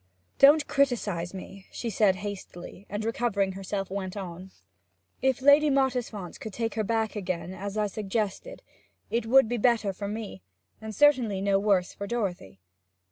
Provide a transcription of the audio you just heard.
'Don't criticize me,' she said hastily; and recovering herself, went on. 'If Lady Mottisfont could take her back again, as I suggested, it would be better for me, and certainly no worse for Dorothy.